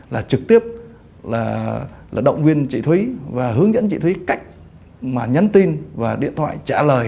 là trực tiếp là động viên chị thúy và hướng dẫn chị thúy cách mà nhắn tin và điện thoại trả lời